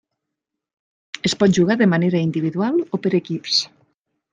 Es pot jugar de manera individual o per equips.